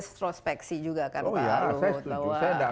tapi kita harus prospeksi juga kan pak arun